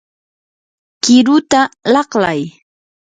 qiruta laqlay.